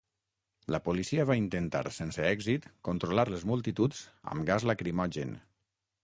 La policia va intentar sense èxit controlar les multituds amb gas lacrimogen.